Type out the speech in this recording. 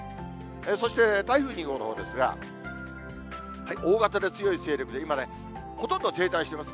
そして台風２号のほうですが、大型で強い勢力で、今ね、ほとんど停滞しています。